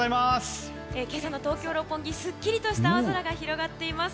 今朝の東京・六本木すっきりとした青空が広がっています。